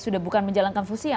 sudah bukan menjalankan fungsi ya